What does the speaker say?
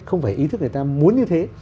không phải ý thức người ta muốn như thế